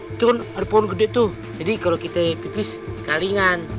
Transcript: itu ada pohon gede tuh jadi kalau kita pipis kalingan